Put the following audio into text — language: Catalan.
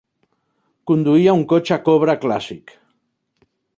Conduïa un cotxe cobra clàssic.